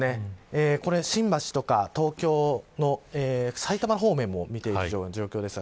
新橋とか東京の、埼玉方面も見ているような状況です。